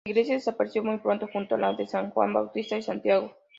La iglesia desapareció muy pronto, junto a la de San Juan Bautista y Santiago.